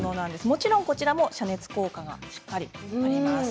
もちろんこちらも遮熱効果がしっかりあります。